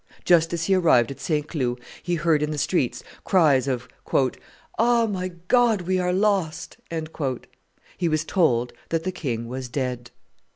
Just as he arrived at St. Cloud, he heard in the street cries of "Ah! my God, we are lost!" He was told that the king was dead.